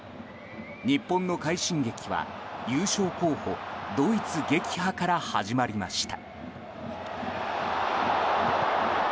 日本の快進撃は、優勝候補ドイツ撃破から始まりました。